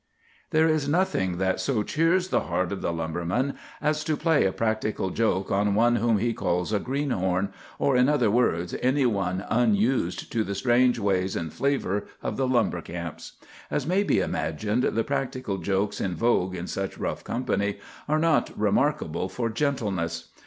"There is nothing that so cheers the heart of the lumberman as to play a practical joke on one whom he calls a 'greenhorn,' or, in other words, any one unused to the strange ways and flavor of the lumber camps. As may be imagined, the practical jokes in vogue in such rough company are not remarkable for gentleness.